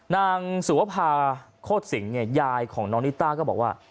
นางสุวภาโคตรสิงเนี่ยยายของน้องนิต้าก็บอกว่า